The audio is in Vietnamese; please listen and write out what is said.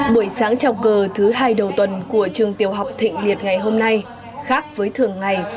buổi sáng trào cờ thứ hai đầu tuần của trường tiểu học thịnh liệt ngày hôm nay khác với thường ngày